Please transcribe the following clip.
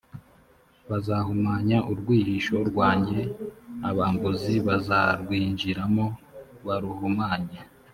bazahumanya urwihisho rwanjye, abambuzi bazarwinjiramo baruhumanye